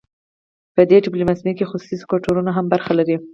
په دې ډیپلوماسي کې خصوصي سکتورونه هم برخه لري